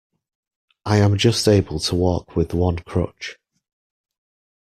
I am just able to walk with one crutch.